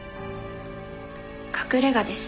隠れ家です。